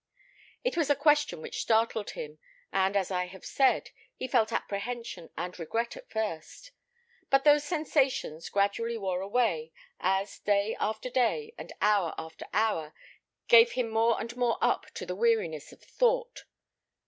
It was a question which startled him, and as I have said, he felt apprehension and regret at first; but those sensations gradually wore away, as day after day, and hour after hour gave him more and more up to the weariness of thought.